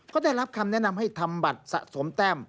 ก็ได้รับคำแนะนำให้ทำบัตรสะสมแต้ม